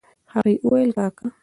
هغې وويل کاکا.